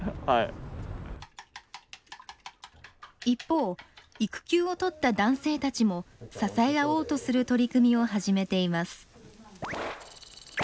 一方育休を取った男性たちも支え合おうとする取り組みを始めています。